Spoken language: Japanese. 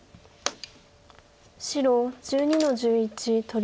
白１２の十一取り。